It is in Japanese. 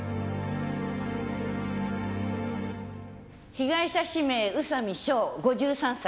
被害者氏名宇佐美翔５３歳。